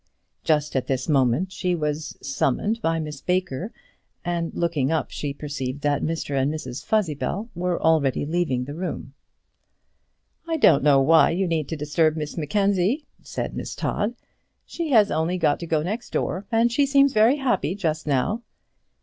Just at this moment she was summoned by Miss Baker, and looking up she perceived that Mr and Mrs Fuzzybell were already leaving the room. "I don't know why you need disturb Miss Mackenzie," said Miss Todd, "she has only got to go next door, and she seems very happy just now."